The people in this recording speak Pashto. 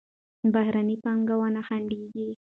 بهرني پانګونه خنډېږي.